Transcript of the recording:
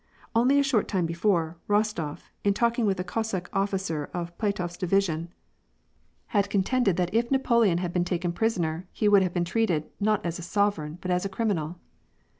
Only a short time before, Ros tof, in talking with a Cossack officer of Platof 's division, had WAR AND PEACE. 143 contended that if Napoleon had been taken prisoner, he wonld have been treated, not as a sovereign, but as a criminal.